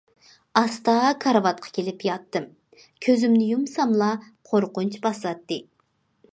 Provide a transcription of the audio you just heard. ئاستا كارىۋاتقا كېلىپ ياتتىم، كۆزۈمنى يۇمساملا قورقۇنچ باساتتى.